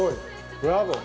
ブラボー。